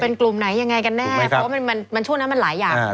เป็นกลุ่มไหนยังไงกันแน่เพราะว่ามันช่วงนั้นมันหลายอย่าง